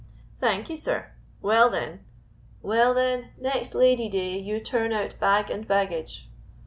"Thank you, sir! well, then " "Well, then, next Lady day you turn out bag and baggage.